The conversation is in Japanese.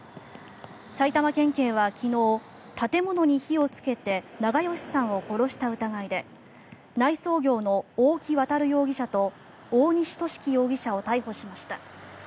埼玉県警は昨日建物に火をつけて長葭さんを殺した疑いで内装業の大木渉容疑者と大西寿貴容疑者を逮捕しました。